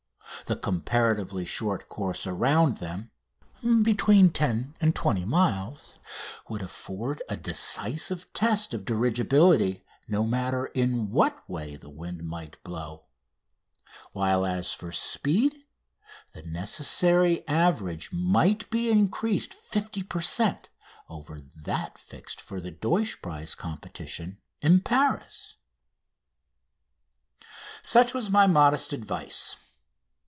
The comparatively short course around them between 10 and 20 miles would afford a decisive test of dirigibility no matter in what way the wind might blow; while as for speed, the necessary average might be increased 50 per cent. over that fixed for the Deutsch prize competition in Paris. Such was my modest advice.